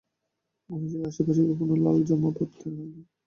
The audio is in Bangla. মহিষের আশেপাশে কখনও লাল জামা পরতে হয় না।